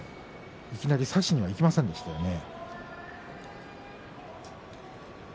いきなり差しにはいきませんでしたね。